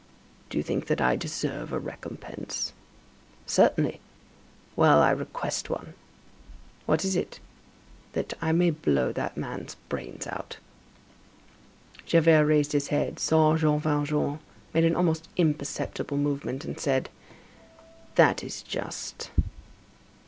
"Do you think that I deserve a recompense?" "Certainly." "Well, I request one." "What is it?" "That I may blow that man's brains out." Javert raised his head, saw Jean Valjean, made an almost imperceptible movement, and said: "That is just."